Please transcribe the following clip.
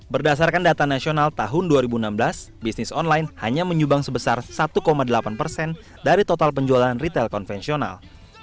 berdasarkan data nasional tahun dua ribu enam belas bisnis online hanya menyubang sebesar satu delapan persen dari total penjualan retail konvensional